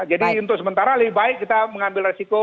jadi untuk sementara lebih baik kita mengambil resiko